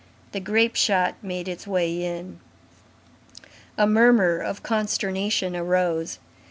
The grape shot made its way in. A murmur of consternation arose.